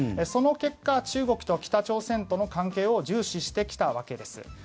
その結果中国と北朝鮮との関係を重視してきたわけです。